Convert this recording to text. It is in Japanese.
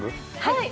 はい。